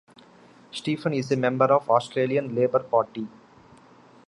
Stephen is a member of the Australian Labor Party.